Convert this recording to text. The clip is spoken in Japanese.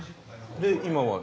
で今は？